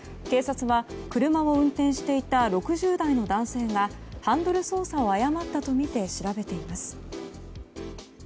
警察は車を運転していた６０代の男性がハンドル操作を誤ったとみて調べています。